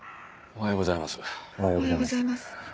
おはようございます。